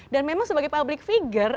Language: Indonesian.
dan memang sebagai public figure